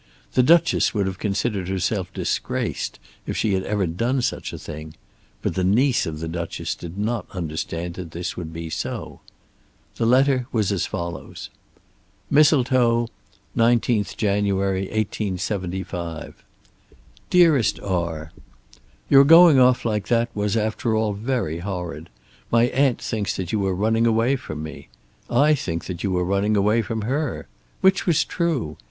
The Duchess would have considered herself disgraced if ever she had done such a thing; but the niece of the Duchess did not quite understand that this would be so. The letter was as follows: Mistletoe, 19th Jany. 1875. DEAREST R., Your going off like that was, after all, very horrid. My aunt thinks that you were running away from me. I think that you were running away from her. Which was true?